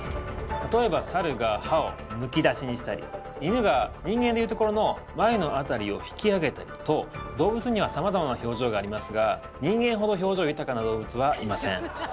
例えばサルが歯をむき出しにしたり犬が人間で言うところの眉の辺りを引き上げたりと動物にはさまざまな表情がありますが人間ほど表情豊かな動物はいません。